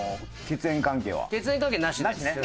血縁関係なしです。